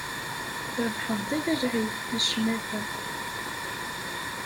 Trebḥed-d ala lɛib, a ccmata.